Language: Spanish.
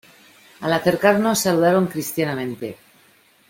al acercarnos saludaron cristianamente: